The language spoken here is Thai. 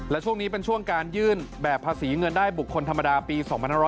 และช่วงนี้เป็นช่วงการยื่นแบบภาษีเงินได้บุคคลธรรมดาปี๒๕๖๐